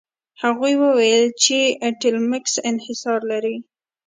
هغوی وویل چې ټیلمکس انحصار لري.